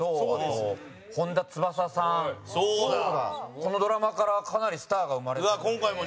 このドラマから、かなりスターが生まれてるので。